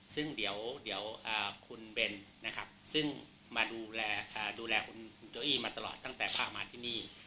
ซึ่งเดี๋ยวคุณเบนนะครับซึ่งมาดูแลดูแลคุณโจอี้มาตลอดตั้งแต่พามาที่นี่